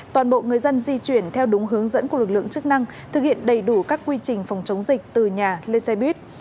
toàn bộ người dân di chuyển theo đúng hướng dẫn của lực lượng chức năng thực hiện đầy đủ các quy trình phòng chống dịch từ nhà lên xe buýt